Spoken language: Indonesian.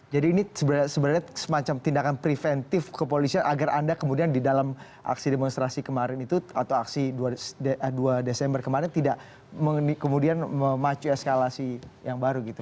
jadi ini sebenarnya semacam tindakan preventif kepolisian agar anda kemudian di dalam aksi demonstrasi kemarin itu atau aksi dua desember kemarin tidak kemudian memacu eskalasi yang baru gitu